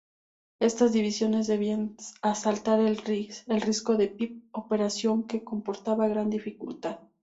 Estas divisiones debían asaltar el risco de Pip, operación que comportaba gran dificultad.